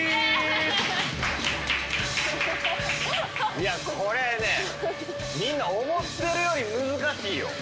いやこれねみんな思ってるより難しいよ。